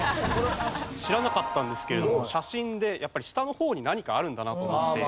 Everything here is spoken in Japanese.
知らなかったんですけれども写真でやっぱり下の方に何かあるんだなと思って。